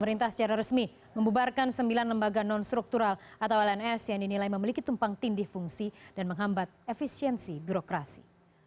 pemerintah secara resmi membubarkan sembilan lembaga non struktural atau lns yang dinilai memiliki tumpang tindih fungsi dan menghambat efisiensi birokrasi